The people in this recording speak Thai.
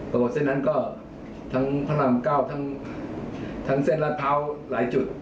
เส้นนั้นก็ทั้งพระรามเก้าทั้งเส้นรัดพร้าวหลายจุด